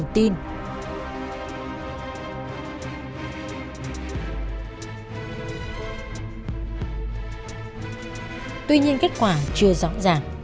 tuy nhiên kết quả chưa ràng